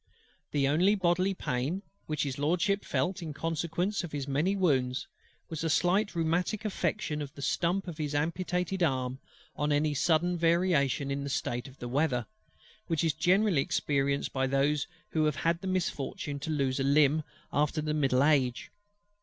The only bodily pain which HIS LORDSHIP felt in consequence of his many wounds, was a slight rheumatic affection of the stump of his amputated arm on any sudden variation in the state of the weather; which is generally experienced by those who have the misfortune to lose a limb after the middle age.